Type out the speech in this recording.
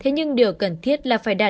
nhưng đều cần thiết là phải đánh giá